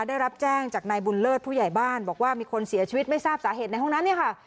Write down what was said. ได้รับแจ้งจากนายบุญเลิศผู้ใหญ่บ้านบอกว่ามีคนเสียชีวิตไม่ทราบสาเหตุในห้องนั้นเนี่ยค่ะ